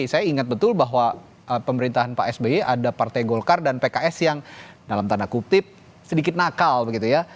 saya ingat betul bahwa pemerintahan pak sby ada partai golkar dan pks yang dalam tanda kutip sedikit nakal begitu ya